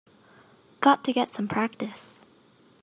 Got to get some practice.